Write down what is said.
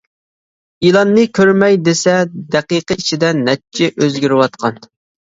ئېلاننى كۆرمەي دېسە دەقىقە ئىچىدە نەچچە ئۆزگىرىۋاتقان.